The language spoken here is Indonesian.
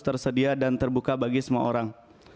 tersedia dan terbuka bagi semua orang